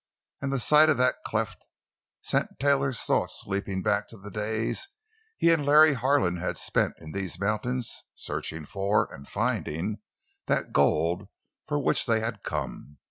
And the sight of that cleft sent Taylor's thoughts leaping back to the days he and Larry Harlan had spent in these mountains, searching for—and finding—that gold for which they had come.